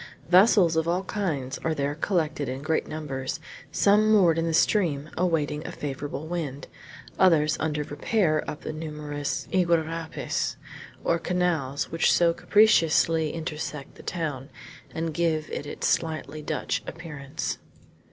Vessels of all kinds are there collected in great numbers, some moored in the stream awaiting a favorable wind, others under repair up the numerous iguarapes, or canals, which so capriciously intersect the town, and give it its slightly Dutch appearance.